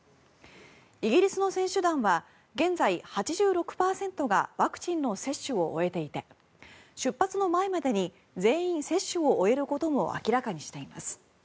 イギリスの選手団は現在８６％がワクチンの接種を終えていて出発の前までに全員接種を終えることを明らかにしています。